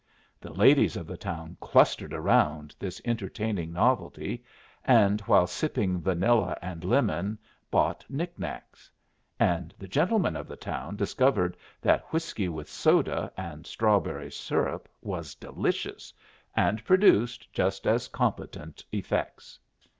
The ladies of the town clustered around this entertaining novelty, and while sipping vanilla and lemon bought knickknacks. And the gentlemen of the town discovered that whiskey with soda and strawberry syrup was delicious, and produced just as competent effects.